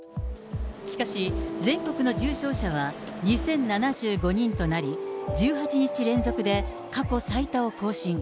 しかし、全国の重症者は２０７５人となり、１８日連続で過去最多を更新。